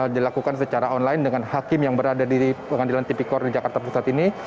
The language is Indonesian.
dilakukan secara online dengan hakim yang berada di pengadilan tipikor di jakarta pusat ini